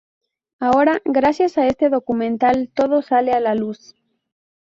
Ahora, gracias a este documental, todo sale a la luz.